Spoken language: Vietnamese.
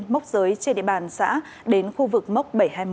mốc giới trên địa bàn xã đến khu vực mốc bảy trăm hai mươi một